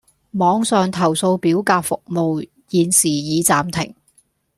網上投訴表格服務現時已暫停